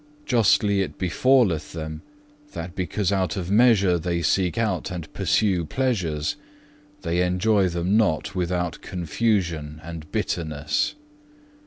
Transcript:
Justly it befalleth them, that because out of measure they seek out and pursue pleasures, they enjoy them not without confusion and bitterness.